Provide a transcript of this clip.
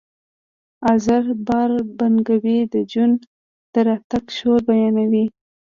آزر باره بنکوی د جون د راتګ شور بیانوي